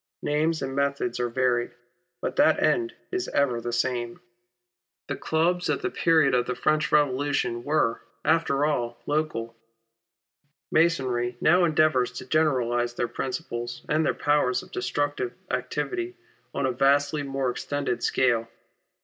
Names and methods are varied, but that end is ever the same. The clubs at the period of the French Revolution were, after all, local. Masonry now endeavours to generalise their principles and their powers of destructive activity on a vastly more extended scale.